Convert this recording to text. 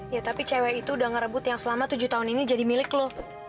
ya tapi cewek itu udah ngerebut yang selama tujuh tahun ini jadi milik loh